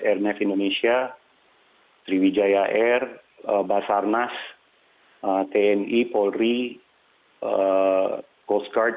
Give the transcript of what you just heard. airnev indonesia triwijaya air basarnas tni polri coast guard